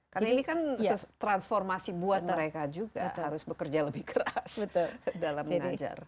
karena ini kan transformasi buat mereka juga harus bekerja lebih keras dalam menajar